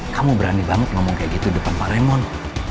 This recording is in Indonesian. kamu berani banget ngomong kayak gitu depan pak raymond